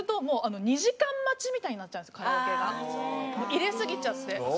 入れすぎちゃって。